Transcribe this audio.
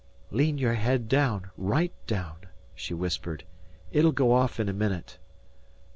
"Lean your head daown right daown!" he whispered. "It'll go off in a minute."